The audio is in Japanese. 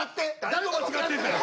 誰と間違えてるんだよ！